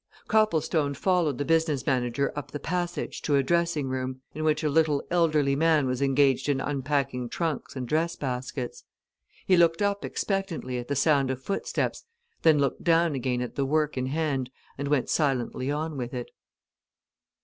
Copplestone followed the business manager up the passage to a dressing room, in which a little elderly man was engaged in unpacking trunks and dress baskets. He looked up expectantly at the sound of footsteps; then looked down again at the work in hand and went silently on with it.